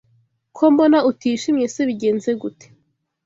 Ko mbona utishimye se bigenze gute